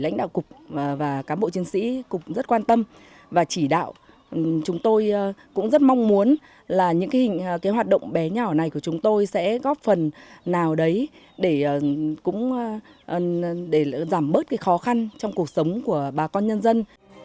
hoạt động bé nhỏ này của chúng tôi sẽ góp phần nào đấy để giảm bớt khó khăn trong cuộc sống của bà con nhân dân